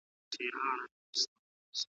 پر زمري باندي د سختو تېرېدلو `